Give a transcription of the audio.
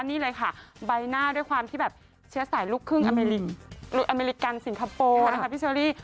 นี่เลยค่ะใบหน้าด้วยความที่แบบเชื้อสายลูกครึ่งอเมริกันสิงคโปร์นะคะพี่เชอรี่